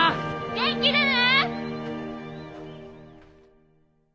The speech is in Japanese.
元気でね！